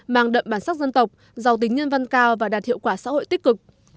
mang đậm bản sắc dân tộc giàu tính nhân văn cao và đạt hiệu quả xã hội tích cực